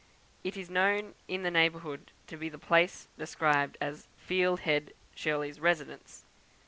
It is known in the neighbourhood to be the place described as "Field Head," Shirley's residence.